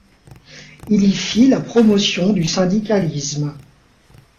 Il y fit la promotion du syndicalisme.